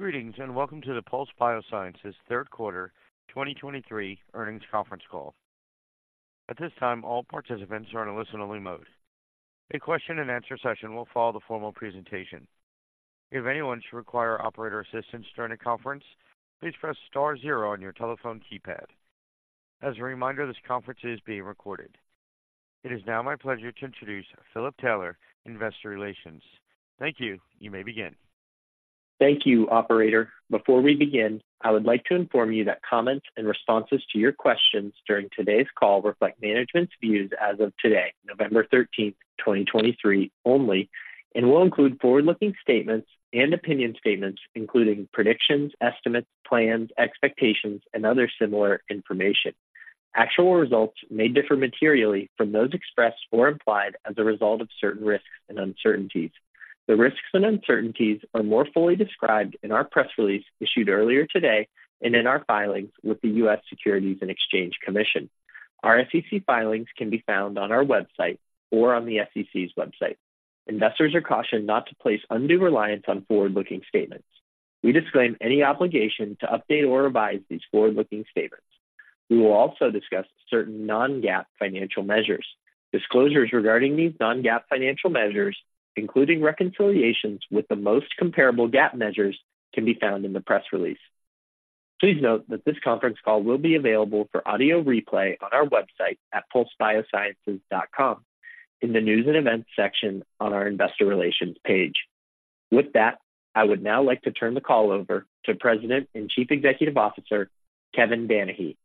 Greetings, and welcome to the Pulse Biosciences third quarter 2023 earnings conference call. At this time, all participants are in a listen-only mode. A question and answer session will follow the formal presentation. If anyone should require operator assistance during the conference, please press star zero on your telephone keypad. As a reminder, this conference is being recorded. It is now my pleasure to introduce Philip Taylor, Investor Relations. Thank you. You may begin. Thank you, operator. Before we begin, I would like to inform you that comments and responses to your questions during today's call reflect management's views as of today, November 13, 2023, only, and will include forward-looking statements and opinion statements, including predictions, estimates, plans, expectations, and other similar information. Actual results may differ materially from those expressed or implied as a result of certain risks and uncertainties. The risks and uncertainties are more fully described in our press release issued earlier today and in our filings with the U.S. Securities and Exchange Commission. Our SEC filings can be found on our website or on the SEC's website. Investors are cautioned not to place undue reliance on forward-looking statements. We disclaim any obligation to update or revise these forward-looking statements. We will also discuss certain non-GAAP financial measures. Disclosures regarding these non-GAAP financial measures, including reconciliations with the most comparable GAAP measures, can be found in the press release. Please note that this conference call will be available for audio replay on our website at pulsebiosciences.com, in the News and Events section on our Investor Relations page. With that, I would now like to turn the call over to President and Chief Executive Officer, Kevin Danahy.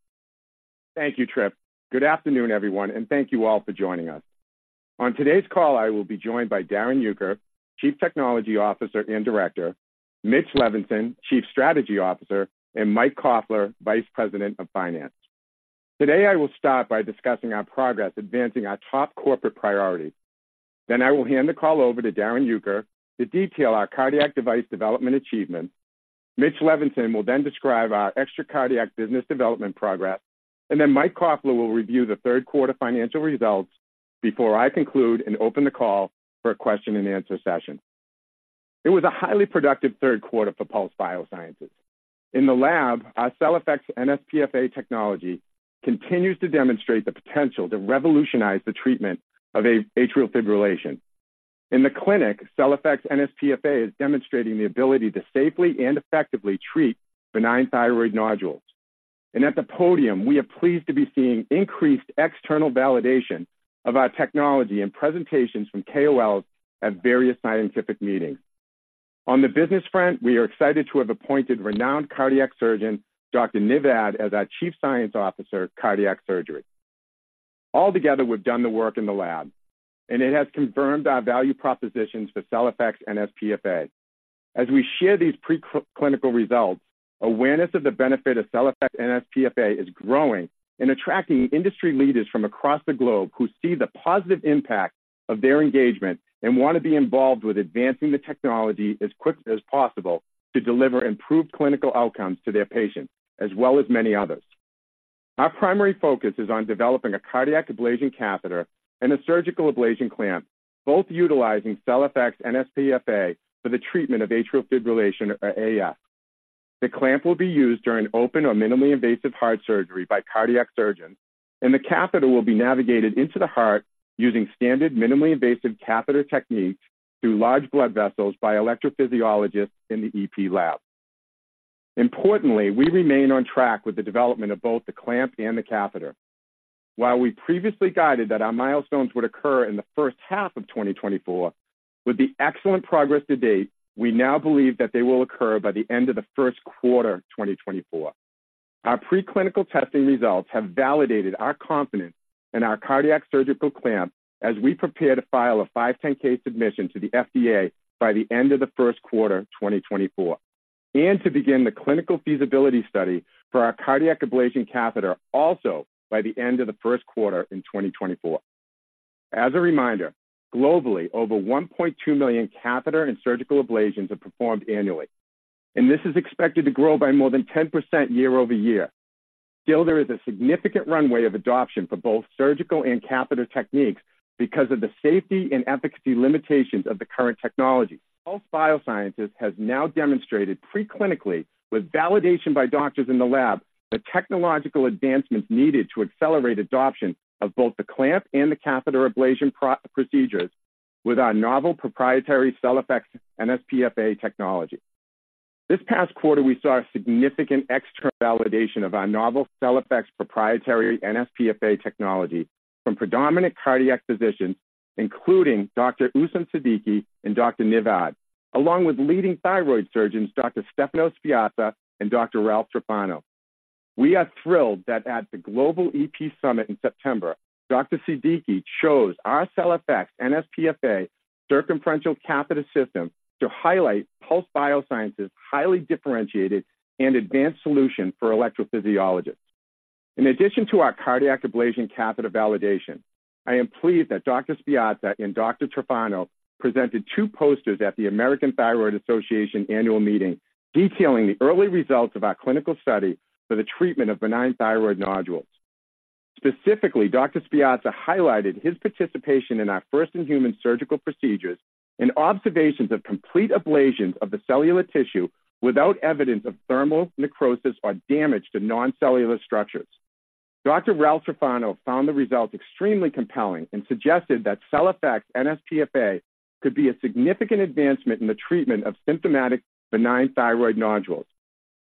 Thank you, Philip. Good afternoon, everyone, and thank you all for joining us. On today's call, I will be joined by Darrin Uecker, Chief Technology Officer and Director, Mitch Levinson, Chief Strategy Officer, and Mike Koffler, Vice President of Finance. Today, I will start by discussing our progress advancing our top corporate priorities. Then I will hand the call over to Darrin Uecker to detail our cardiac device development achievements. Mitch Levinson will then describe our extracardiac business development progress, and then Mike Koffler will review the third quarter financial results before I conclude and open the call for a question and answer session. It was a highly productive third quarter for Pulse Biosciences. In the lab, our CellFX nsPFA technology continues to demonstrate the potential to revolutionize the treatment of atrial fibrillation. In the clinic, CellFX nsPFA is demonstrating the ability to safely and effectively treat benign thyroid nodules. At the podium, we are pleased to be seeing increased external validation of our technology and presentations from KOLs at various scientific meetings. On the business front, we are excited to have appointed renowned cardiac surgeon, Dr. Niv Ad, as our Chief Science Officer, Cardiac Surgery. Altogether, we've done the work in the lab, and it has confirmed our value propositions for CellFX nsPFA. As we share these preclinical results, awareness of the benefit of CellFX nsPFA is growing and attracting industry leaders from across the globe who see the positive impact of their engagement and want to be involved with advancing the technology as quickly as possible to deliver improved clinical outcomes to their patients, as well as many others. Our primary focus is on developing a cardiac ablation catheter and a surgical ablation clamp, both utilizing CellFX nsPFA for the treatment of Atrial Fibrillation or AF. The clamp will be used during open or minimally invasive heart surgery by cardiac surgeons, and the catheter will be navigated into the heart using standard minimally invasive catheter techniques through large blood vessels by electrophysiologists in the EP lab. Importantly, we remain on track with the development of both the clamp and the catheter. While we previously guided that our milestones would occur in the first half of 2024, with the excellent progress to date, we now believe that they will occur by the end of the first quarter of 2024. Our preclinical testing results have validated our confidence in our cardiac surgical clamp as we prepare to file a 510(k) submission to the FDA by the end of the first quarter 2024, and to begin the clinical feasibility study for our cardiac ablation catheter also by the end of the first quarter in 2024. As a reminder, globally, over 1.2 million catheter and surgical ablations are performed annually, and this is expected to grow by more than 10% year-over-year. Still, there is a significant runway of adoption for both surgical and catheter techniques because of the safety and efficacy limitations of the current technology. Pulse Biosciences has now demonstrated preclinically, with validation by doctors in the lab, the technological advancements needed to accelerate adoption of both the clamp and the catheter ablation procedures with our novel proprietary CellFX nsPFA technology. This past quarter, we saw a significant external validation of our novel CellFX proprietary nsPFA technology from predominant cardiac physicians, including Dr. Usman Siddiqui and Dr. Niv Ad, along with leading thyroid surgeons, Dr. Stefano Spiezia and Dr. Ralph Tufano. We are thrilled that at the Global EP Summit in September, Dr. Siddiqui chose our CellFX nsPFA circumferential catheter system to highlight Pulse Biosciences' highly differentiated and advanced solution for electrophysiologists. In addition to our cardiac ablation catheter validation, I am pleased that Dr. Spiezia and Dr. Tufano presented two posters at the American Thyroid Association annual meeting, detailing the early results of our clinical study for the treatment of benign thyroid nodules. Specifically, Dr. Spiezia highlighted his participation in our first-in-human surgical procedures and observations of complete ablations of the cellular tissue without evidence of thermal necrosis or damage to non-cellular structures. Dr. Ralph Tufano. found the results extremely compelling and suggested that CellFX nsPFA could be a significant advancement in the treatment of symptomatic benign thyroid nodules.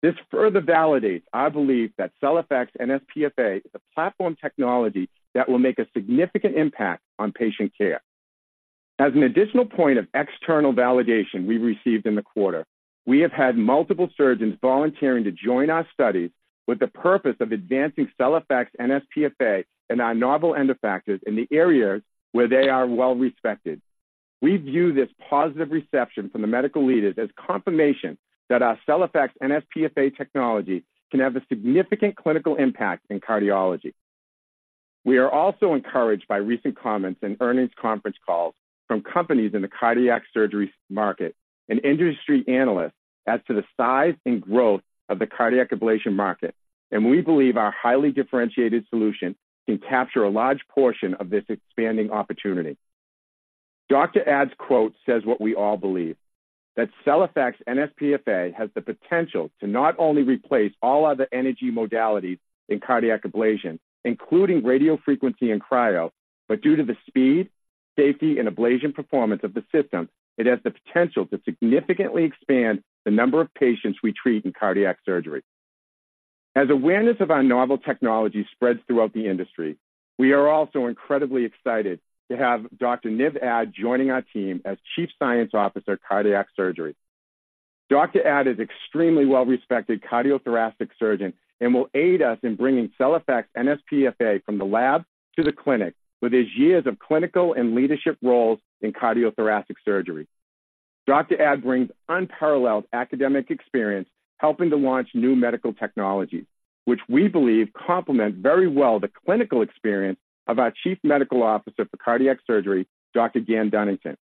This further validates our belief that CellFX nsPFA is a platform technology that will make a significant impact on patient care. As an additional point of external validation we received in the quarter, we have had multiple surgeons volunteering to join our studies with the purpose of advancing CellFX nsPFA and our novel endo factors in the areas where they are well-respected. We view this positive reception from the medical leaders as confirmation that our CellFX nsPFA technology can have a significant clinical impact in cardiology. We are also encouraged by recent comments and earnings conference calls from companies in the cardiac surgery market and industry analysts as to the size and growth of the cardiac ablation market, and we believe our highly differentiated solution can capture a large portion of this expanding opportunity. Dr. Ad's quote says what we all believe, that CellFX nsPFA has the potential to not only replace all other energy modalities in cardiac ablation, including radiofrequency and cryo, but due to the speed, safety, and ablation performance of the system, it has the potential to significantly expand the number of patients we treat in cardiac surgery. As awareness of our novel technology spreads throughout the industry, we are also incredibly excited to have Dr. Niv Ad joining our team as Chief Science Officer, Cardiac Surgery. Dr. Ad is extremely well-respected cardiothoracic surgeon and will aid us in bringing CellFX nsPFA from the lab to the clinic with his years of clinical and leadership roles in cardiothoracic surgery. Dr. Ad brings unparalleled academic experience, helping to launch new medical technologies, which we believe complement very well the clinical experience of our Chief Medical Officer for Cardiac Surgery, Dr. Gan Dunnington.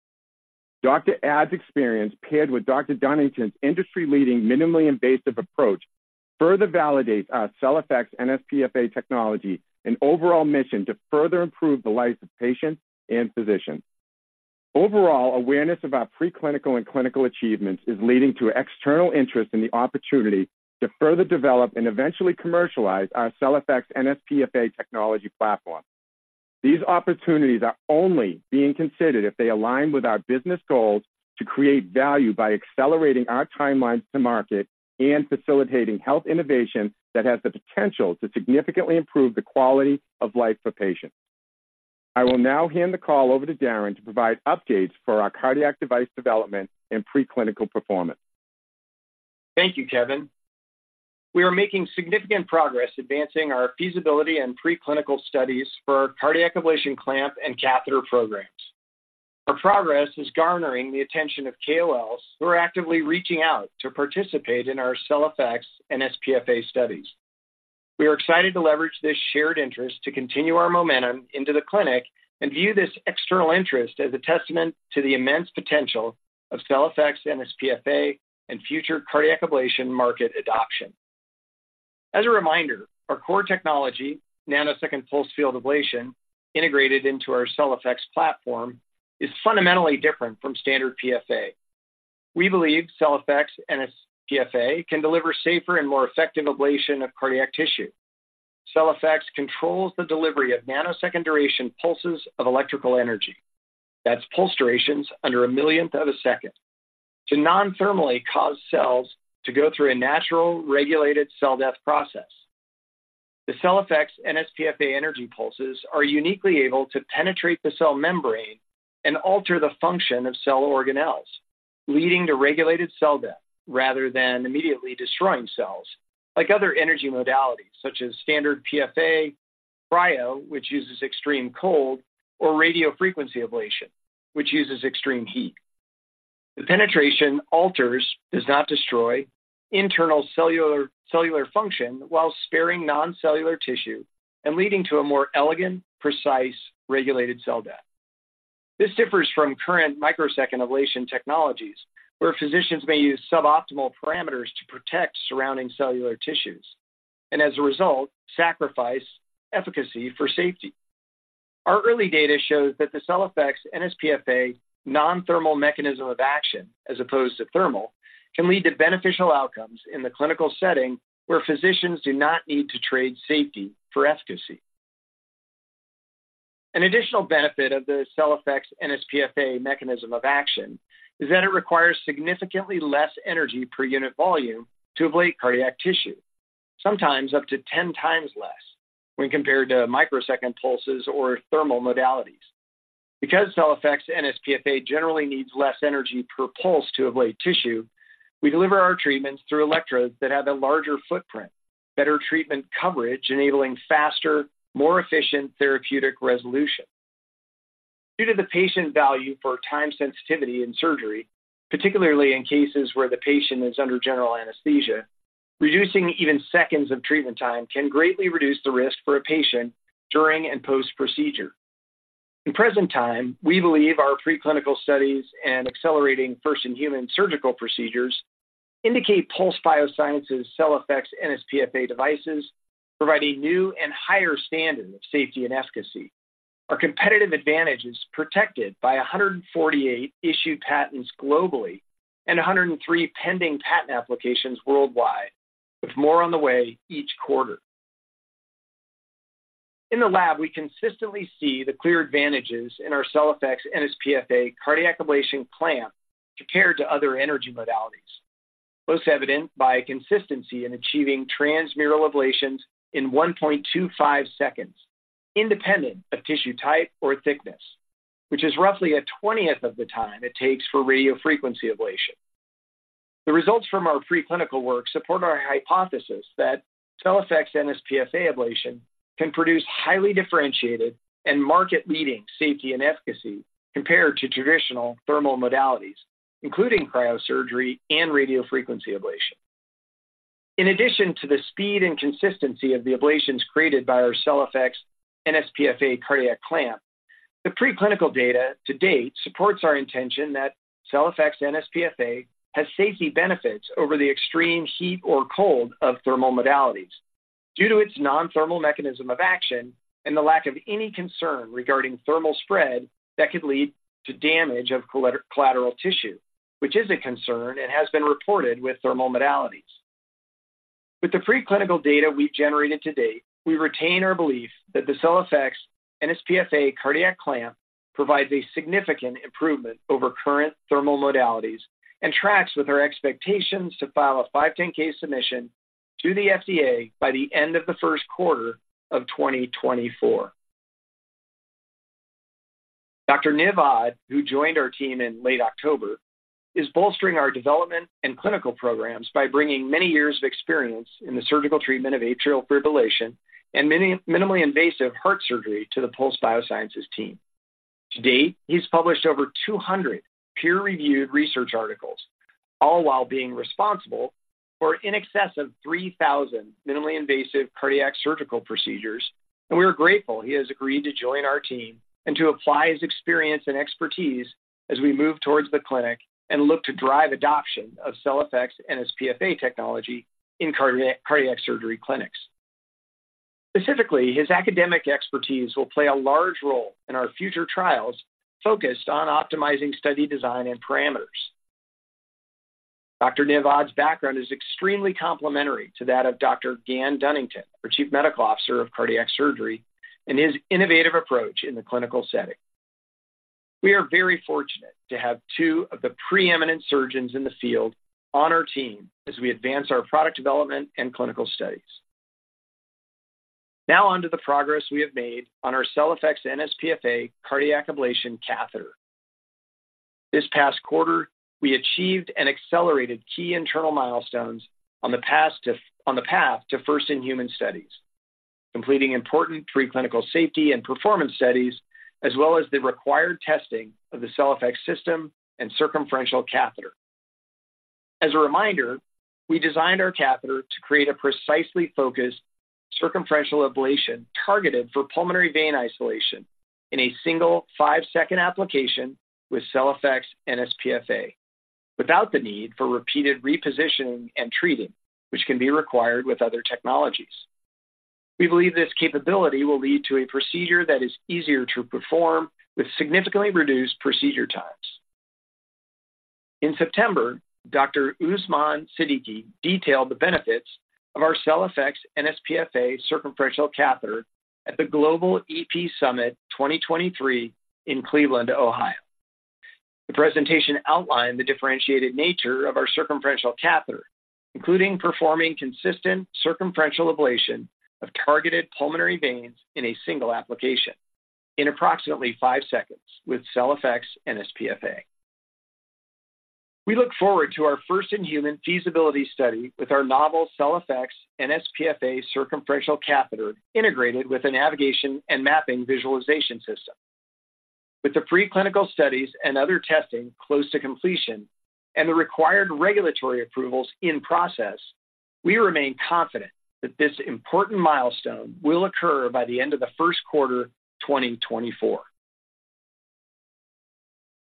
Dr. Ad's experience, paired with Dr. Dunnington's industry-leading, minimally invasive approach, further validates our CellFX nsPFA technology and overall mission to further improve the lives of patients and physicians. Overall, awareness of our preclinical and clinical achievements is leading to external interest in the opportunity to further develop and eventually commercialize our CellFX nsPFA technology platform. These opportunities are only being considered if they align with our business goals to create value by accelerating our timelines to market and facilitating health innovation that has the potential to significantly improve the quality of life for patients. I will now hand the call over to Darrin to provide updates for our cardiac device development and preclinical performance. Thank you, Kevin. We are making significant progress advancing our feasibility and preclinical studies for cardiac ablation clamp and catheter programs. Our progress is garnering the attention of KOLs, who are actively reaching out to participate in our CellFX nsPFA studies. We are excited to leverage this shared interest to continue our momentum into the clinic and view this external interest as a testament to the immense potential of CellFX nsPFA and future cardiac ablation market adoption. As a reminder, our core technology, nanosecond pulsed field ablation, integrated into our CellFX platform, is fundamentally different from standard PFA. We believe CellFX nsPFA can deliver safer and more effective ablation of cardiac tissue. CellFX controls the delivery of nanosecond duration pulses of electrical energy, that's pulse durations under a millionth of a second, to non-thermally cause cells to go through a natural, regulated cell death process. The CellFX nsPFA energy pulses are uniquely able to penetrate the cell membrane and alter the function of cell organelles, leading to regulated cell death, rather than immediately destroying cells like other energy modalities, such as standard PFA, cryo, which uses extreme cold, or radiofrequency ablation, which uses extreme heat. The penetration alters, does not destroy, internal cellular function while sparing non-cellular tissue and leading to a more elegant, precise, regulated cell death. This differs from current microsecond ablation technologies, where physicians may use suboptimal parameters to protect surrounding cellular tissues and, as a result, sacrifice efficacy for safety. Our early data shows that the CellFX nsPFA non-thermal mechanism of action, as opposed to thermal, can lead to beneficial outcomes in the clinical setting, where physicians do not need to trade safety for efficacy. An additional benefit of the CellFX nsPFA mechanism of action is that it requires significantly less energy per unit volume to ablate cardiac tissue, sometimes up to 10 times less when compared to microsecond pulses or thermal modalities. Because CellFX nsPFA generally needs less energy per pulse to ablate tissue, we deliver our treatments through electrodes that have a larger footprint, better treatment coverage, enabling faster, more efficient therapeutic resolution. Due to the patient value for time sensitivity in surgery, particularly in cases where the patient is under general anesthesia, reducing even seconds of treatment time can greatly reduce the risk for a patient during and post-procedure. In present time, we believe our preclinical studies and accelerating first-in-human surgical procedures indicate Pulse Biosciences' CellFX nsPFA devices provide a new and higher standard of safety and efficacy. Our competitive advantage is protected by 148 issued patents globally and 103 pending patent applications worldwide, with more on the way each quarter. In the lab, we consistently see the clear advantages in our CellFX nsPFA cardiac ablation clamp compared to other energy modalities, most evident by consistency in achieving transmural ablations in 1.25 seconds, independent of tissue type or thickness, which is roughly a twentieth of the time it takes for radiofrequency ablation. The results from our preclinical work support our hypothesis that CellFX nsPFA ablation can produce highly differentiated and market-leading safety and efficacy compared to traditional thermal modalities, including cryosurgery and radiofrequency ablation. In addition to the speed and consistency of the ablations created by our CellFX nsPFA cardiac clamp, the preclinical data to date supports our intention that CellFX nsPFA has safety benefits over the extreme heat or cold of thermal modalities due to its non-thermal mechanism of action and the lack of any concern regarding thermal spread that could lead to damage of collateral tissue, which is a concern and has been reported with thermal modalities. With the preclinical data we've generated to date, we retain our belief that the CellFX nsPFA cardiac clamp provides a significant improvement over current thermal modalities and tracks with our expectations to file a 510(k) submission to the FDA by the end of the first quarter of 2024. Dr. Niv Ad, who joined our team in late October, is bolstering our development and clinical programs by bringing many years of experience in the surgical treatment of atrial fibrillation and minimally invasive heart surgery to the Pulse Biosciences team. To date, he's published over 200 peer-reviewed research articles, all while being responsible for in excess of 3,000 minimally invasive cardiac surgical procedures, and we are grateful he has agreed to join our team and to apply his experience and expertise as we move towards the clinic and look to drive adoption of CellFX nsPFA technology in cardiac, cardiac surgery clinics. Specifically, his academic expertise will play a large role in our future trials focused on optimizing study design and parameters. Dr. Niv Ad's background is extremely complementary to that of Dr. Gan Dunnington, our Chief Medical Officer of Cardiac Surgery, and his innovative approach in the clinical setting. We are very fortunate to have two of the preeminent surgeons in the field on our team as we advance our product development and clinical studies. Now, on to the progress we have made on our CellFX nsPFA cardiac ablation catheter. This past quarter, we achieved and accelerated key internal milestones on the path to first-in-human studies, completing important preclinical safety and performance studies, as well as the required testing of the CellFX system and circumferential catheter. As a reminder, we designed our catheter to create a precisely focused circumferential ablation targeted for pulmonary vein isolation in a single 5-second application with CellFX nsPFA, without the need for repeated repositioning and treating, which can be required with other technologies. We believe this capability will lead to a procedure that is easier to perform with significantly reduced procedure times. In September, Dr. Usman Siddiqui detailed the benefits of our CellFX nsPFA circumferential catheter at the Global EP Summit 2023 in Cleveland, Ohio. The presentation outlined the differentiated nature of our circumferential catheter, including performing consistent circumferential ablation of targeted pulmonary veins in a single application in approximately 5 seconds with CellFX nsPFA. We look forward to our first-in-human feasibility study with our novel CellFX nsPFA circumferential catheter, integrated with a navigation and mapping visualization system. With the preclinical studies and other testing close to completion and the required regulatory approvals in process, we remain confident that this important milestone will occur by the end of the first quarter, 2024.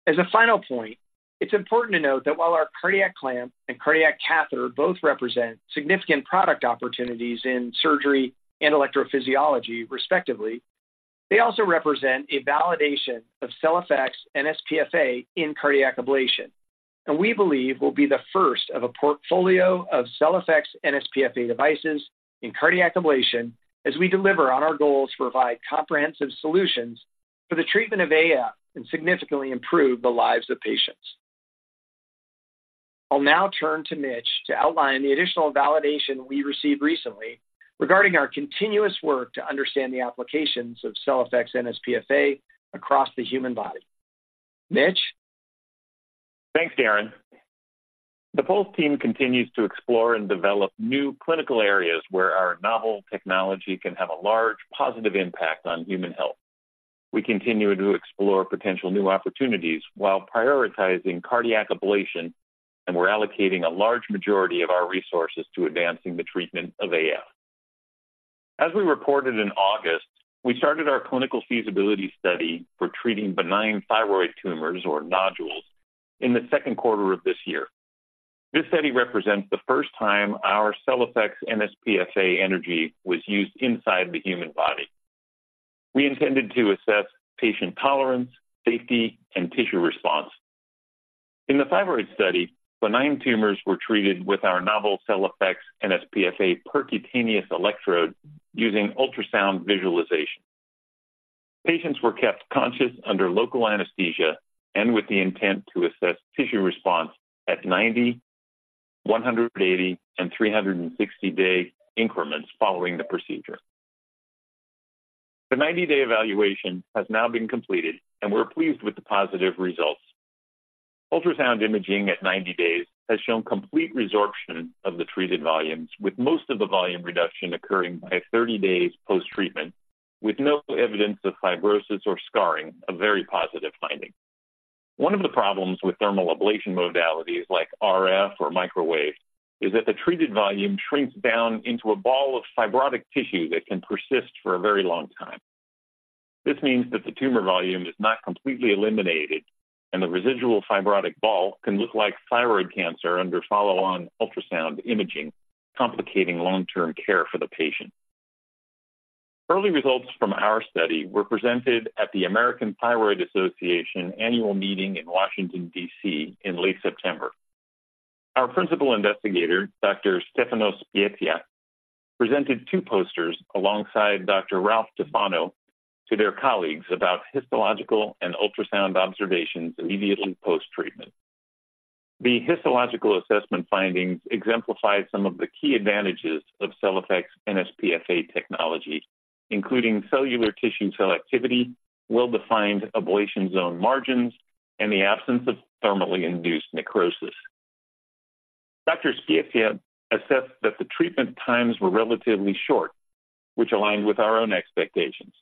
As a final point, it's important to note that while our cardiac clamp and cardiac catheter both represent significant product opportunities in surgery and electrophysiology, respectively, they also represent a validation of CellFX nsPFA in cardiac ablation, and we believe will be the first of a portfolio of CellFX nsPFA devices in cardiac ablation as we deliver on our goals to provide comprehensive solutions for the treatment of AF and significantly improve the lives of patients. I'll now turn to Mitch to outline the additional validation we received recently regarding our continuous work to understand the applications of CellFX nsPFA across the human body. Mitch? Thanks, Darrin. The Pulse team continues to explore and develop new clinical areas where our novel technology can have a large, positive impact on human health. We continue to explore potential new opportunities while prioritizing cardiac ablation, and we're allocating a large majority of our resources to advancing the treatment of AF. As we reported in August, we started our clinical feasibility study for treating benign thyroid tumors or nodules in the second quarter of this year. This study represents the first time our CellFX nsPFA energy was used inside the human body. We intended to assess patient tolerance, safety, and tissue response. In the thyroid study, benign tumors were treated with our novel CellFX nsPFA percutaneous electrode using ultrasound visualization. Patients were kept conscious under local anesthesia and with the intent to assess tissue response at 90, 180, and 360-day increments following the procedure. The 90-day evaluation has now been completed, and we're pleased with the positive results. Ultrasound imaging at 90 days has shown complete resorption of the treated volumes, with most of the volume reduction occurring by 30 days post-treatment, with no evidence of fibrosis or scarring, a very positive finding. One of the problems with thermal ablation modalities like RF or microwave, is that the treated volume shrinks down into a ball of fibrotic tissue that can persist for a very long time. This means that the tumor volume is not completely eliminated, and the residual fibrotic ball can look like thyroid cancer under follow-on ultrasound imaging, complicating long-term care for the patient. Early results from our study were presented at the American Thyroid Association annual meeting in Washington, D.C., in late September. Our principal investigator, Dr. Stefano Spiezia, presented two posters alongside Dr. Ralph Tufano to their colleagues about histological and ultrasound observations immediately post-treatment. The histological assessment findings exemplify some of the key advantages of CellFX nsPFA technology, including cellular tissue cell activity, well-defined ablation zone margins, and the absence of thermally induced necrosis. Dr. Spiezia assessed that the treatment times were relatively short, which aligned with our own expectations.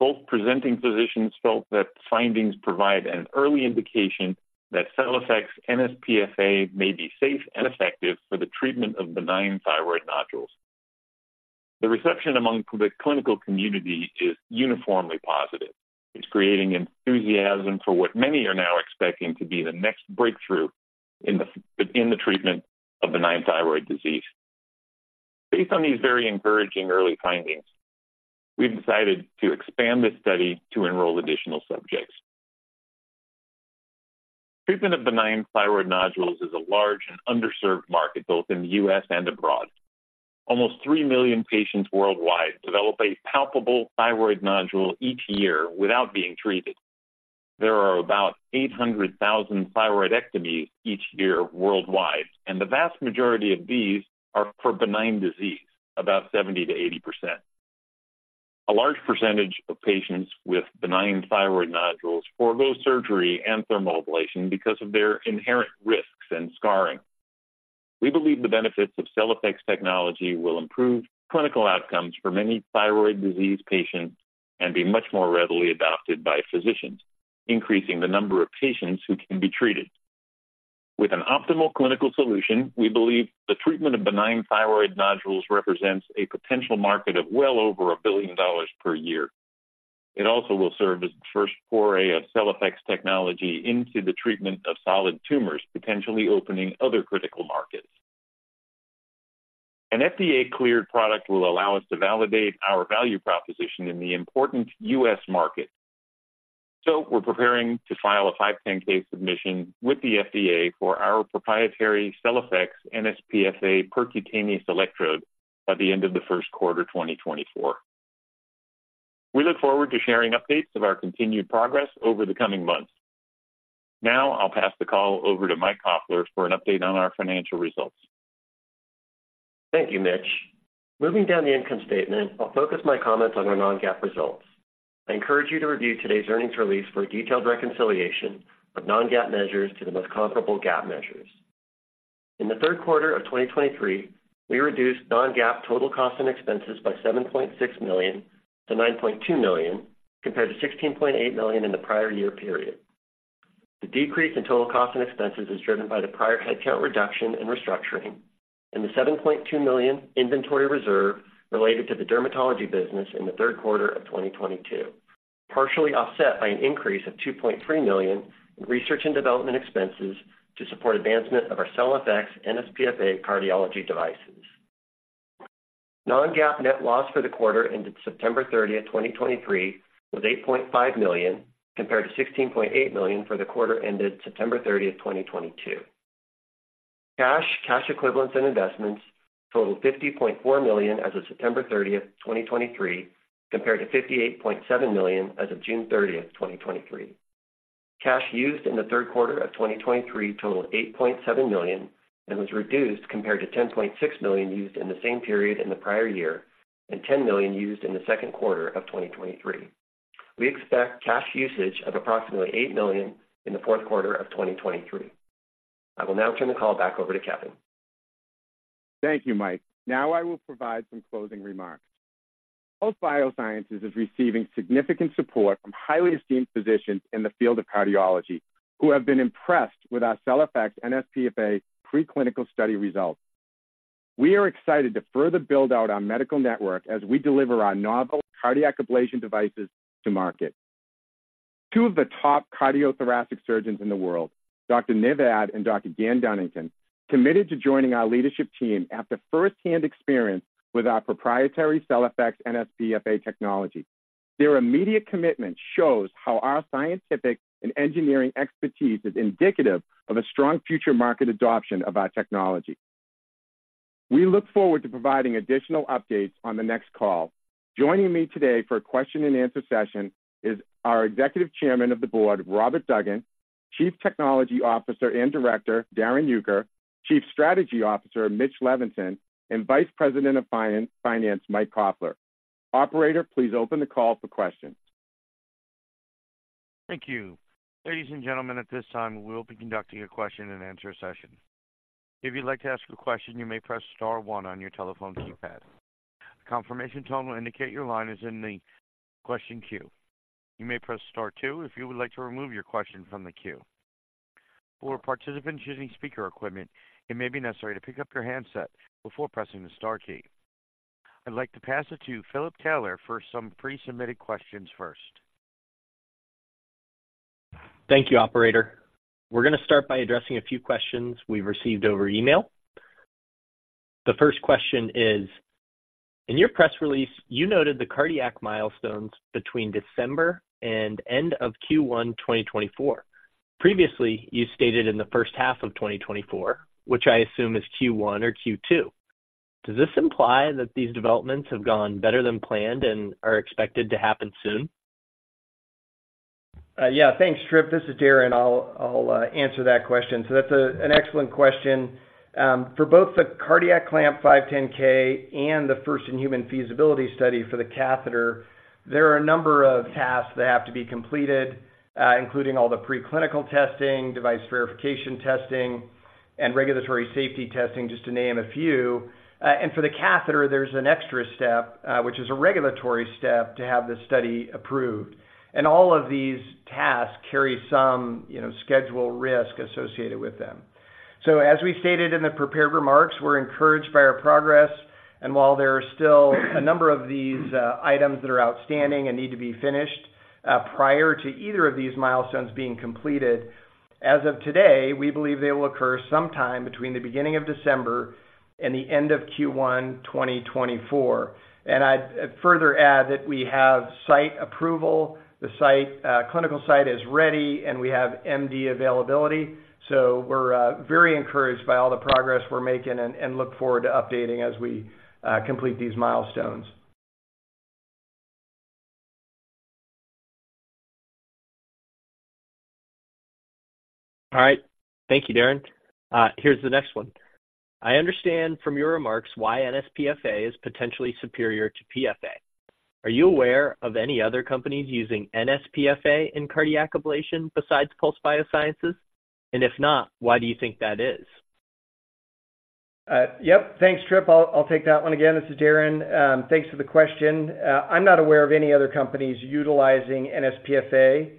Both presenting physicians felt that findings provide an early indication that CellFX nsPFA may be safe and effective for the treatment of benign thyroid nodules. The reception among the clinical community is uniformly positive. It's creating enthusiasm for what many are now expecting to be the next breakthrough in the, in the treatment of benign thyroid disease. Based on these very encouraging early findings, we've decided to expand this study to enroll additional subjects. Treatment of benign thyroid nodules is a large and underserved market, both in the U.S. and abroad. Almost 3 million patients worldwide develop a palpable thyroid nodule each year without being treated. There are about 800,000 thyroidectomies each year worldwide, and the vast majority of these are for benign disease, about 70%-80%. A large percentage of patients with benign thyroid nodules forgo surgery and thermal ablation because of their inherent risks and scarring. We believe the benefits of CellFX technology will improve clinical outcomes for many thyroid disease patients and be much more readily adopted by physicians, increasing the number of patients who can be treated. With an optimal clinical solution, we believe the treatment of benign thyroid nodules represents a potential market of well over $1 billion per year. It also will serve as the first foray of CellFX technology into the treatment of solid tumors, potentially opening other critical markets. An FDA-cleared product will allow us to validate our value proposition in the important U.S. market. So we're preparing to file a 510(k) submission with the FDA for our proprietary CellFX nsPFA percutaneous electrode by the end of the first quarter, 2024. We look forward to sharing updates of our continued progress over the coming months. Now I'll pass the call over to Mike Koffler for an update on our financial results. Thank you, Mitch. Moving down the income statement, I'll focus my comments on our non-GAAP results. I encourage you to review today's earnings release for a detailed reconciliation of non-GAAP measures to the most comparable GAAP measures. In the third quarter of 2023, we reduced non-GAAP total costs and expenses by $7.6 million to $9.2 million, compared to $16.8 million in the prior year period. The decrease in total costs and expenses is driven by the prior headcount reduction in restructuring and the $7.2 million inventory reserve related to the dermatology business in the third quarter of 2022, partially offset by an increase of $2.3 million in research and development expenses to support advancement of our CellFX nsPFA cardiology devices. Non-GAAP net loss for the quarter ended September 30, 2023, was $8.5 million, compared to $16.8 million for the quarter ended September 30, 2022. Cash, cash equivalents and investments totaled $50.4 million as of September 30, 2023, compared to $58.7 million as of June 30, 2023. Cash used in the third quarter of 2023 totaled $8.7 million and was reduced compared to $10.6 million used in the same period in the prior year, and $10 million used in the second quarter of 2023. We expect cash usage of approximately $8 million in the fourth quarter of 2023. I will now turn the call back over to Kevin. Thank you, Mike. Now I will provide some closing remarks. Pulse Biosciences is receiving significant support from highly esteemed physicians in the field of cardiology, who have been impressed with our CellFX nsPFA preclinical study results. We are excited to further build out our medical network as we deliver our novel cardiac ablation devices to market. Two of the top cardiothoracic surgeons in the world, Dr. Niv Ad and Dr. Gan Dunnington, committed to joining our leadership team after firsthand experience with our proprietary CellFX nsPFA technology. Their immediate commitment shows how our scientific and engineering expertise is indicative of a strong future market adoption of our technology. We look forward to providing additional updates on the next call. Joining me today for a question and answer session is our Executive Chairman of the Board, Robert Duggan, Chief Technology Officer and Director, Darrin Uecker, Chief Strategy Officer, Mitch Levinson, and Vice President of Finance, Mike Koffler. Operator, please open the call for questions. Thank you. Ladies and gentlemen, at this time, we will be conducting a question-and-answer session. If you'd like to ask a question, you may press star one on your telephone keypad. A confirmation tone will indicate your line is in the question queue. You may press star two if you would like to remove your question from the queue. For participants using speaker equipment, it may be necessary to pick up your handset before pressing the star key. I'd like to pass it to Philip Taylor for some pre-submitted questions first. Thank you, Operator. We're going to start by addressing a few questions we've received over email. The first question is: In your press release, you noted the cardiac milestones between December and end of Q1, 2024. Previously, you stated in the first half of 2024, which I assume is Q1 or Q2. Does this imply that these developments have gone better than planned and are expected to happen soon? Yeah, thanks, Philip. This is Darrin. I'll answer that question. So that's an excellent question. For both the cardiac clamp 510(k) and the first-in-human feasibility study for the catheter, there are a number of tasks that have to be completed, including all the preclinical testing, device verification testing, and regulatory safety testing, just to name a few. And for the catheter, there's an extra step, which is a regulatory step to have the study approved. And all of these tasks carry some, you know, schedule risk associated with them. So as we stated in the prepared remarks, we're encouraged by our progress, and while there are still a number of these items that are outstanding and need to be finished prior to either of these milestones being completed, as of today, we believe they will occur sometime between the beginning of December and the end of Q1 2024. I'd further add that we have site approval. The site clinical site is ready, and we have MD availability, so we're very encouraged by all the progress we're making and look forward to updating as we complete these milestones. All right. Thank you, Darrin. Here's the next one. I understand from your remarks why nsPFA is potentially superior to PFA. Are you aware of any other companies using nsPFA in cardiac ablation besides Pulse Biosciences? And if not, why do you think that is? Yep. Thanks, Philip. I'll take that one again. This is Darrin. Thanks for the question. I'm not aware of any other companies utilizing nsPFA,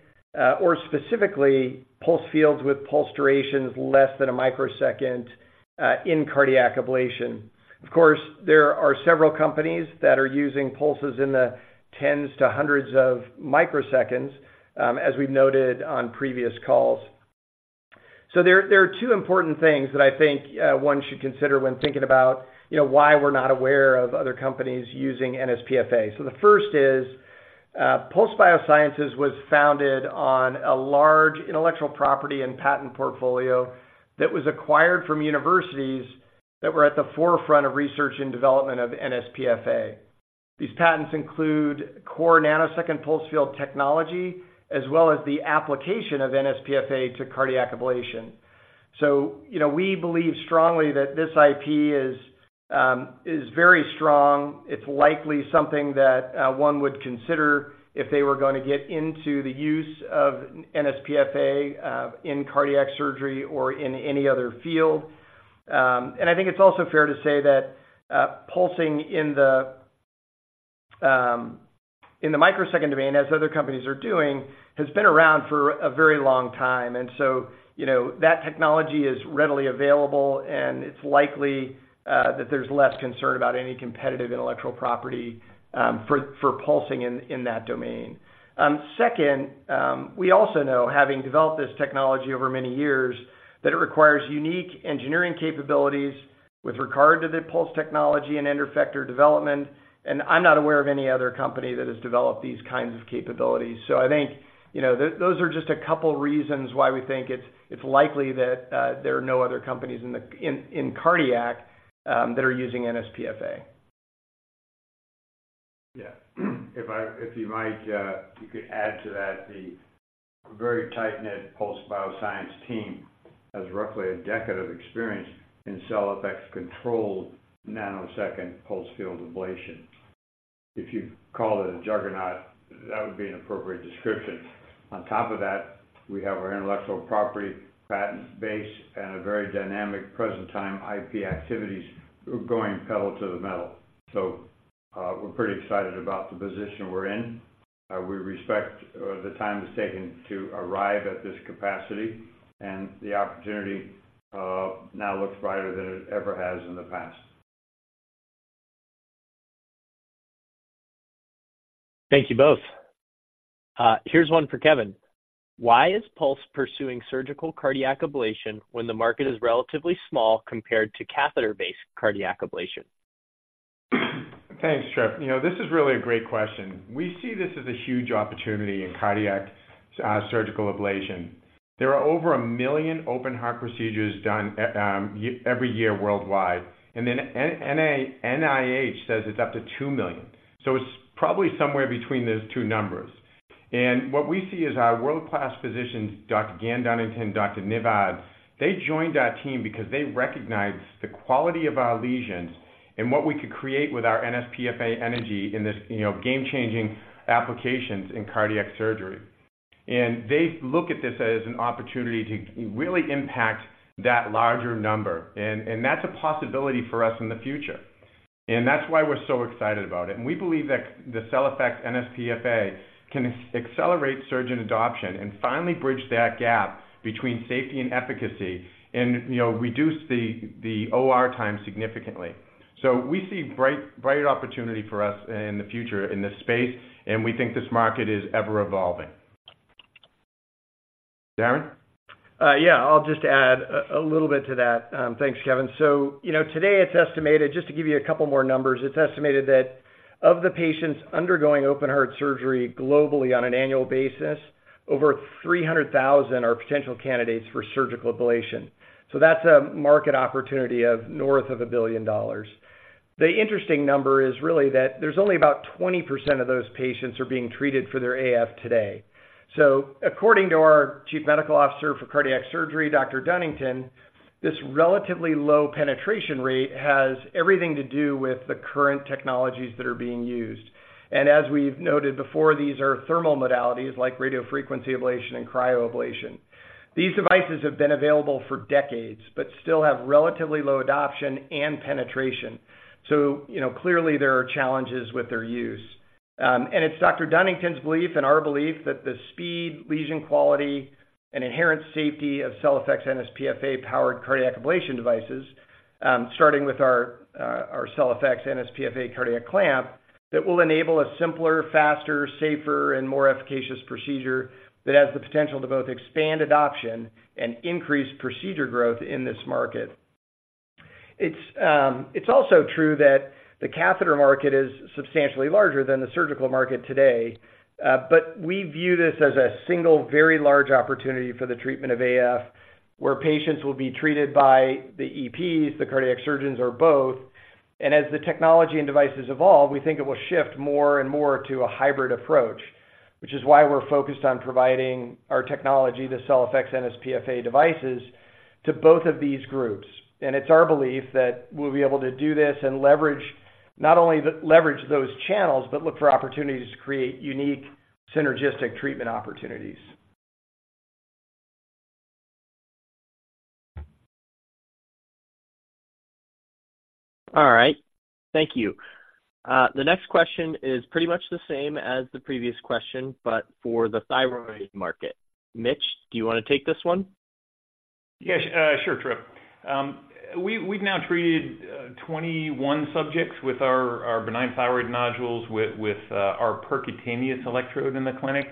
or specifically pulse fields with pulse durations less than a microsecond in cardiac ablation. Of course, there are several companies that are using pulses in the tens to hundreds of microseconds, as we've noted on previous calls. So there are two important things that I think one should consider when thinking about, you know, why we're not aware of other companies using nsPFA. So the first is, Pulse Biosciences was founded on a large intellectual property and patent portfolio that was acquired from universities that were at the forefront of research and development of nsPFA. These patents include core nanosecond pulse field technology, as well as the application of nsPFA to cardiac ablation. So you know, we believe strongly that this IP is very strong. It's likely something that one would consider if they were going to get into the use of nsPFA in cardiac surgery or in any other field. And I think it's also fair to say that pulsing in the microsecond domain, as other companies are doing, has been around for a very long time, and so, you know, that technology is readily available, and it's likely that there's less concern about any competitive intellectual property for pulsing in that domain. Second, we also know, having developed this technology over many years, that it requires unique engineering capabilities with regard to the pulse technology and end effector development. And I'm not aware of any other company that has developed these kinds of capabilities. So I think, you know, those are just a couple reasons why we think it's likely that there are no other companies in the cardiac that are using nsPFA. Yeah. If you might, you could add to that the very tight-knit Pulse Biosciences team has roughly a decade of experience in CellFX controlled nanosecond pulsed field ablation. If you called it a juggernaut, that would be an appropriate description. On top of that, we have our intellectual property patent base and a very dynamic present time IP activities going pedal to the metal. So, we're pretty excited about the position we're in. We respect the time it's taken to arrive at this capacity, and the opportunity now looks brighter than it ever has in the past. Thank you both. Here's one for Kevin: Why is Pulse pursuing surgical cardiac ablation when the market is relatively small compared to catheter-based cardiac ablation? Thanks, Philip. You know, this is really a great question. We see this as a huge opportunity in cardiac surgical ablation. There are over 1 million open heart procedures done at every year worldwide, and then NIH says it's up to 2 million. So it's probably somewhere between those two numbers. And what we see is our world-class physicians, Dr. Gan Dunnington, Dr. Niv Ad, they joined our team because they recognized the quality of our lesions and what we could create with our nsPFA energy in this, you know, game-changing applications in cardiac surgery. And they look at this as an opportunity to really impact that larger number, and, and that's a possibility for us in the future. And that's why we're so excited about it. We believe that the CellFX nsPFA can accelerate surgeon adoption and finally bridge that gap between safety and efficacy and, you know, reduce the OR time significantly. So we see bright, brighter opportunity for us in the future in this space, and we think this market is ever-evolving. Darrin? Yeah, I'll just add a little bit to that. Thanks, Kevin. So, you know, today, it's estimated. Just to give you a couple more numbers, it's estimated that of the patients undergoing open heart surgery globally on an annual basis, over 300,000 are potential candidates for surgical ablation. So that's a market opportunity of north of $1 billion. The interesting number is really that there's only about 20% of those patients are being treated for their AF today. So according to our Chief Medical Officer for Cardiac Surgery, Dr. Dunnington, this relatively low penetration rate has everything to do with the current technologies that are being used. And as we've noted before, these are thermal modalities like radiofrequency ablation and cryoablation. These devices have been available for decades, but still have relatively low adoption and penetration. So, you know, clearly, there are challenges with their use. And it's Dr. Dunnington's belief and our belief that the speed, lesion quality, and inherent safety of CellFX nsPFA-powered cardiac ablation devices, starting with our, our CellFX nsPFA Cardiac Clamp, that will enable a simpler, faster, safer, and more efficacious procedure that has the potential to both expand adoption and increase procedure growth in this market. It's also true that the catheter market is substantially larger than the surgical market today, but we view this as a single, very large opportunity for the treatment of AF, where patients will be treated by the EPs, the cardiac surgeons, or both. As the technology and devices evolve, we think it will shift more and more to a hybrid approach, which is why we're focused on providing our technology, the CellFX nsPFA devices, to both of these groups. It's our belief that we'll be able to do this and leverage, not only leverage those channels, but look for opportunities to create unique, synergistic treatment opportunities. All right. Thank you. The next question is pretty much the same as the previous question, but for the thyroid market. Mitch, do you wanna take this one? Yes, sure, Philip. We've now treated 21 subjects with our benign thyroid nodules with our percutaneous electrode in the clinic,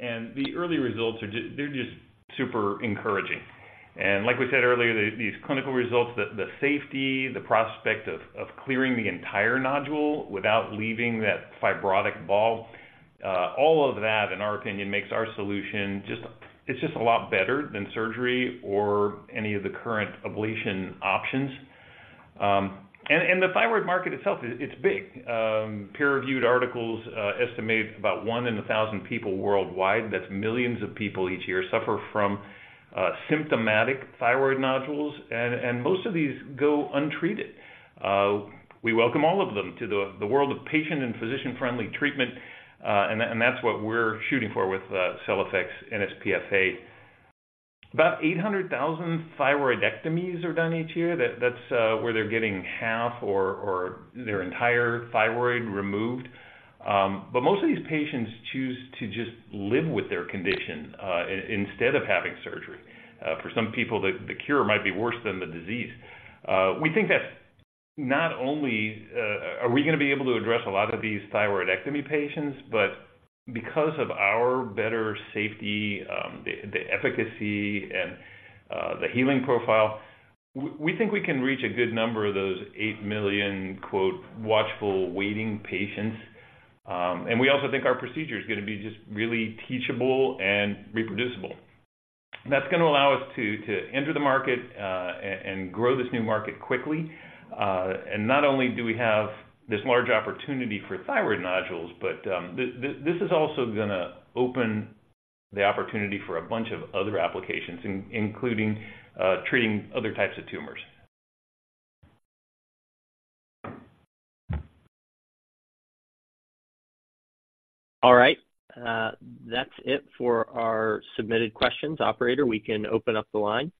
and the early results are just, they're just super encouraging. Like we said earlier, these clinical results, the safety, the prospect of clearing the entire nodule without leaving that fibrotic ball, all of that, in our opinion, makes our solution just... It's just a lot better than surgery or any of the current ablation options. And the thyroid market itself, it's big. Peer-reviewed articles estimate about 1 in 1,000 people worldwide, that's millions of people each year, suffer from symptomatic thyroid nodules, and most of these go untreated. We welcome all of them to the world of patient and physician-friendly treatment, and that's what we're shooting for with CellFX nsPFA. About 800,000 thyroidectomies are done each year. That's where they're getting half or their entire thyroid removed. But most of these patients choose to just live with their condition, instead of having surgery. For some people, the cure might be worse than the disease. We think that not only are we gonna be able to address a lot of these thyroidectomy patients, but because of our better safety, the efficacy and the healing profile, we think we can reach a good number of those 8 million, quote, "watchful waiting patients." And we also think our procedure is gonna be just really teachable and reproducible. That's gonna allow us to enter the market and grow this new market quickly. And not only do we have this large opportunity for thyroid nodules, but this is also gonna open the opportunity for a bunch of other applications, including treating other types of tumors. All right. That's it for our submitted questions. Operator, we can open up the line.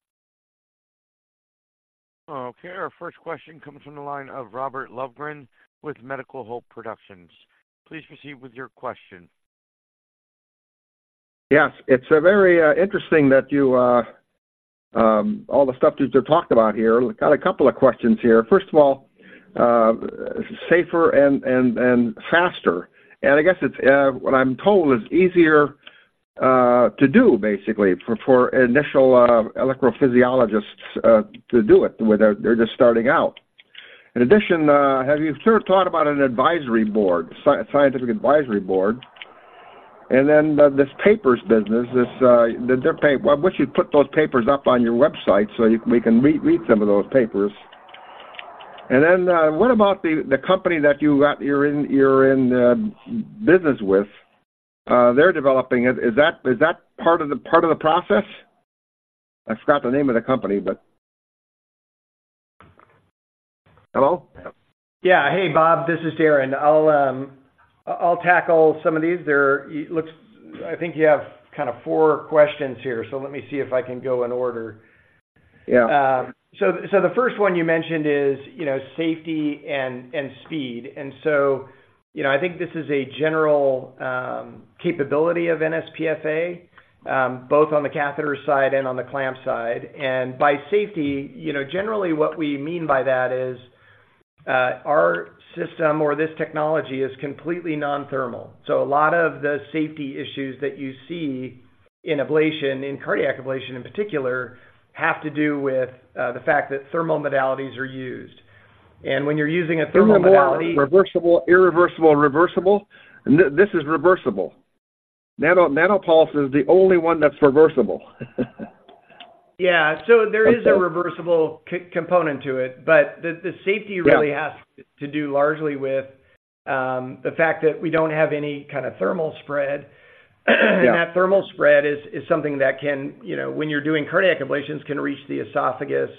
Okay, our first question comes from the line of Robert Lovgren, with Medical Hope Productions. Please proceed with your question. Yes, it's very interesting that you all the stuff that you talked about here. Got a couple of questions here. First of all, safer and faster. And I guess it's what I'm told is easier to do basically for initial electrophysiologists to do it when they're just starting out. In addition, have you thought about an advisory board, scientific advisory board? And then, the this papers business, this, I wish you'd put those papers up on your website so we can read some of those papers. And then, what about the company that you're in business with, they're developing? Is that part of the process? I forgot the name of the company, but... Hello? Yeah. Hey, Bob, this is Darrin. I'll tackle some of these. There are, it looks... I think you have kind of four questions here, so let me see if I can go in order. Yeah. So, the first one you mentioned is, you know, safety and speed. So, you know, I think this is a general capability of nsPFA, both on the catheter side and on the clamp side. And by safety, you know, generally what we mean by that is, our system or this technology is completely non-thermal. So a lot of the safety issues that you see in ablation, in cardiac ablation in particular, have to do with the fact that thermal modalities are used. And when you're using a thermal modality- Irreversible, irreversible, reversible. This is reversible. Nano, Nano-Pulse is the only one that's reversible. Yeah. So there is a reversible c-component to it, but the, the safety- Yeah... really has to do largely with the fact that we don't have any kind of thermal spread. Yeah. And that thermal spread is something that can, you know, when you're doing cardiac ablations, can reach the esophagus,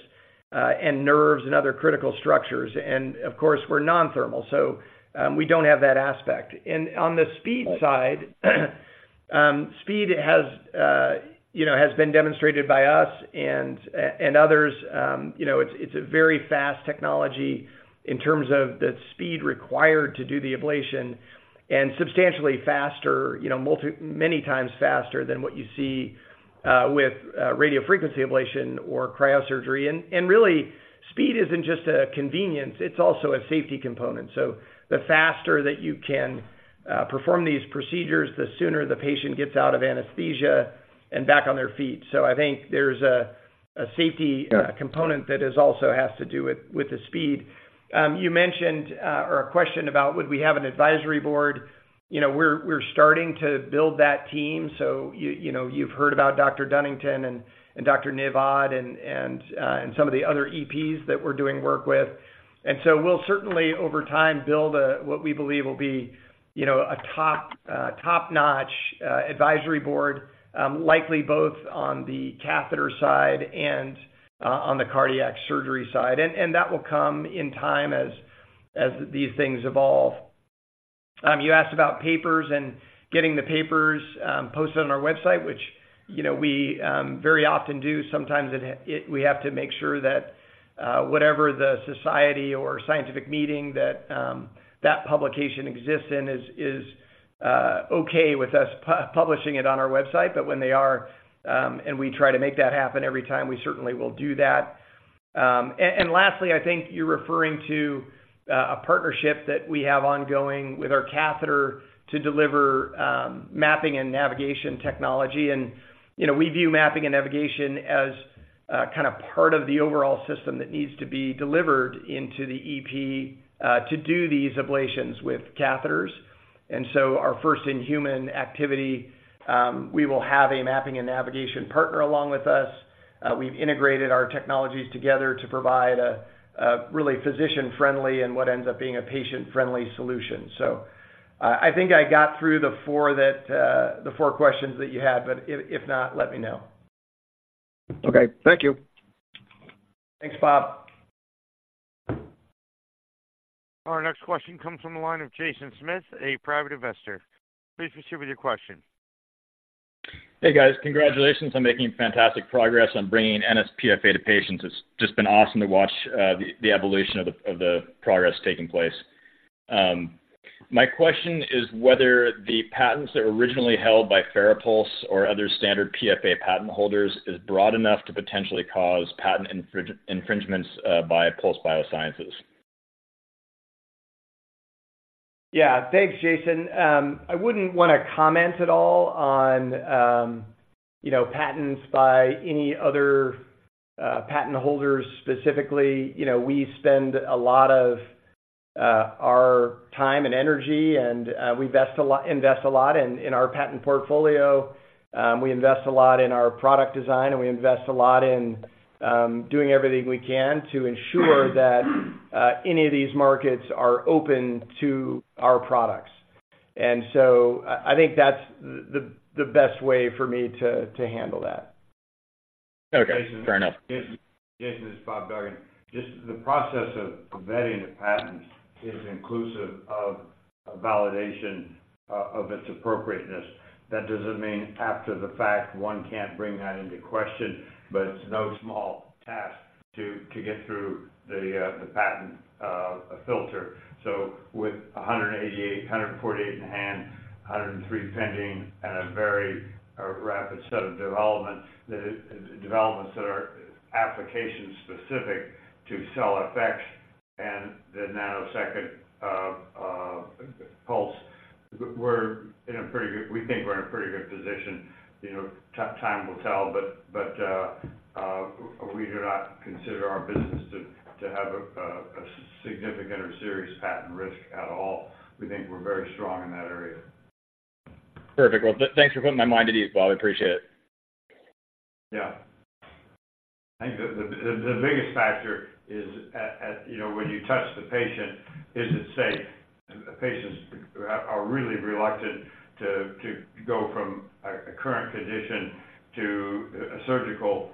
and nerves and other critical structures. And of course, we're non-thermal, so, we don't have that aspect. And on the speed side, speed has, you know, has been demonstrated by us and, and others, you know, it's a very fast technology in terms of the speed required to do the ablation, and substantially faster, you know, many times faster than what you see, with, radiofrequency ablation or cryosurgery. And really, speed isn't just a convenience, it's also a safety component. So the faster that you can, perform these procedures, the sooner the patient gets out of anesthesia and back on their feet. So I think there's a safety- Yeah... component that is also has to do with the speed. You mentioned or a question about would we have an advisory board? You know, we're starting to build that team. So you know, you've heard about Dr. Dunnington and Dr. Niv Ad and some of the other EPs that we're doing work with. And so we'll certainly over time build a what we believe will be, you know, a top-notch advisory board, likely both on the catheter side and on the cardiac surgery side. And that will come in time as these things evolve. You asked about papers and getting the papers posted on our website, which, you know, we very often do. Sometimes we have to make sure that whatever the society or scientific meeting that publication exists in is okay with us publishing it on our website. But when they are, and we try to make that happen every time, we certainly will do that. And lastly, I think you're referring to a partnership that we have ongoing with our catheter to deliver mapping and navigation technology. And, you know, we view mapping and navigation as kind of part of the overall system that needs to be delivered into the EP to do these ablations with catheters. And so our first in-human activity, we will have a mapping and navigation partner along with us. We've integrated our technologies together to provide a really physician-friendly and what ends up being a patient-friendly solution. I think I got through the four that, the four questions that you had, but if, if not, let me know. Okay, thank you. Thanks, Bob. Our next question comes from the line of Jason Smith, a private investor. Please proceed with your question. Hey, guys. Congratulations on making fantastic progress on bringing nsPFA to patients. It's just been awesome to watch the evolution of the progress taking place. My question is whether the patents that were originally held by FARAPULSE or other standard PFA patent holders is broad enough to potentially cause patent infringements by Pulse Biosciences? Yeah. Thanks, Jason. I wouldn't want to comment at all on, you know, patents by any other, patent holders specifically. You know, we spend a lot of, our time and energy, and, we invest a lot in, in our patent portfolio. We invest a lot in our product design, and we invest a lot in, doing everything we can to ensure that, any of these markets are open to our products. And so I think that's the best way for me to handle that. Okay. Fair enough. Jason, Jason, it's Bob Duggan. Just the process of vetting the patents is inclusive of a validation of its appropriateness. That doesn't mean after the fact, one can't bring that into question, but it's no small task to get through the patent filter. So with 188, 148 in hand, 103 pending, and a very rapid set of development, the developments that are application-specific to CellFX and the nanosecond pulse, we're in a pretty good position. We think we're in a pretty good position, you know, time will tell, but we do not consider our business to have a significant or serious patent risk at all. We think we're very strong in that area. Perfect. Well, thanks for putting my mind at ease, Bob. I appreciate it. Yeah. I think the biggest factor is, you know, when you touch the patient, is it safe? Patients are really reluctant to go from a current condition to a surgical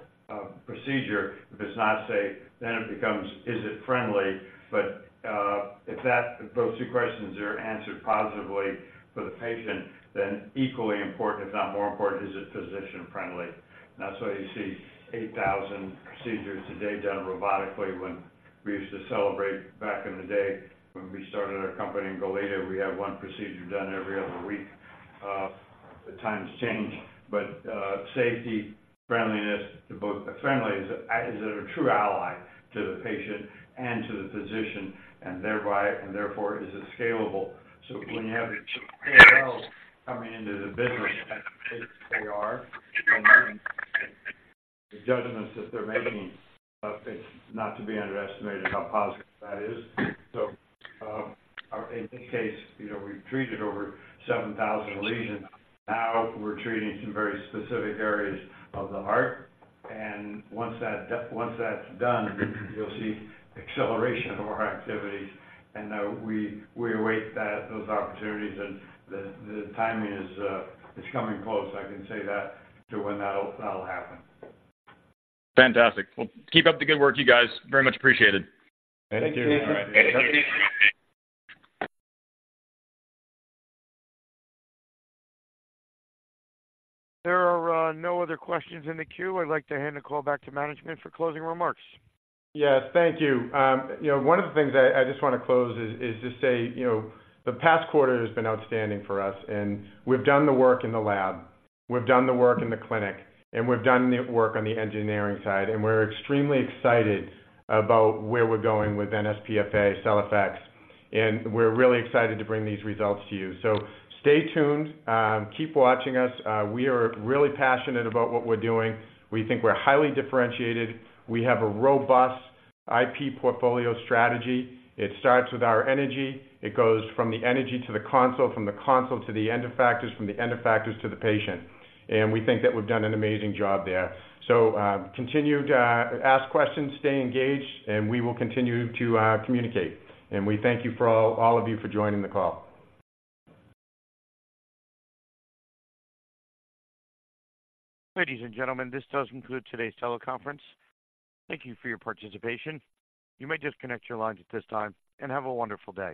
procedure. If it's not safe, then it becomes: Is it friendly? But if that—if those two questions are answered positively for the patient, then equally important, if not more important: Is it physician-friendly? That's why you see 8,000 procedures today done robotically, when we used to celebrate back in the day, when we started our company in Goleta, we had one procedure done every other week. The times change, but safety, friendliness, to both—friendly is a true ally to the patient and to the physician, and thereby, and therefore, is it scalable? So when you have some pays coming into the business, as they are, the judgments that they're making, it's not to be underestimated how positive that is. So, in this case, you know, we've treated over 7,000 lesions. Now we're treating some very specific areas of the heart, and once that's done, you'll see acceleration of our activities, and we await that, those opportunities and the timing is coming close. I can say that to when that'll happen. Fantastic. Well, keep up the good work, you guys. Very much appreciated. Thank you. There are no other questions in the queue. I'd like to hand the call back to management for closing remarks. Yes, thank you. You know, one of the things I just want to close is just say, you know, the past quarter has been outstanding for us, and we've done the work in the lab, we've done the work in the clinic, and we've done the work on the engineering side, and we're extremely excited about where we're going with nsPFA CellFX, and we're really excited to bring these results to you. So stay tuned, keep watching us. We are really passionate about what we're doing. We think we're highly differentiated. We have a robust IP portfolio strategy. It starts with our energy. It goes from the energy to the console, from the console to the end effectors, from the end effectors to the patient. And we think that we've done an amazing job there. Continue to ask questions, stay engaged, and we will continue to communicate. We thank you for all, all of you for joining the call. Ladies and gentlemen, this does conclude today's teleconference. Thank you for your participation. You may disconnect your lines at this time, and have a wonderful day.